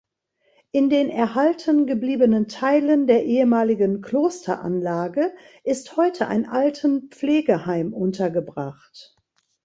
In den erhalten gebliebenen Teilen der ehemaligen Klosteranlage ist heute ein Altenpflegeheim untergebracht.